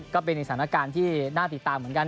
ก็เป็นอีกสถานการณ์ที่น่าติดตามเหมือนกัน